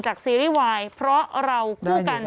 ซีรีส์วายเพราะเราคู่กัน